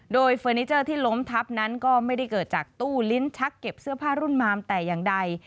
โดยเฟอร์นิเจอร์ที่ล้มทับนั้นก็ไม่ได้เกิดจากตู้ลิ้นชักเก็บเสื้อผ้ารุ่นมามแต่อย่างใด